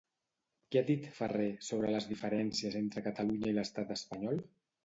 Què ha dit Farré sobre les diferències entre Catalunya i l'estat espanyol?